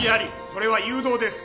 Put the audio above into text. それは誘導です。